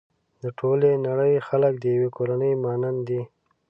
د ټولې نړۍ خلک د يوې کورنۍ مانند دي.